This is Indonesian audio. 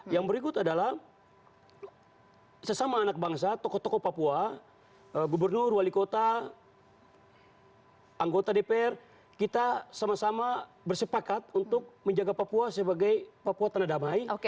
yang berikut adalah sesama anak bangsa tokoh tokoh papua gubernur wali kota anggota dpr kita sama sama bersepakat untuk menjaga papua sebagai papua tanah damai